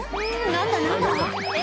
何だ何だ？